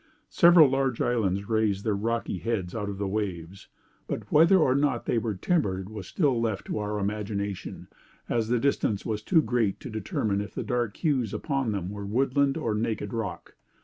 Several large islands raised their high rocky heads out of the waves; but whether or not they were timbered was still left to our imagination, as the distance was too great to determine if the dark hues upon them were woodland or naked rock.